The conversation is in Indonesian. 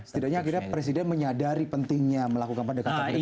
setidaknya akhirnya presiden menyadari pentingnya melakukan pendekatan dekatan itu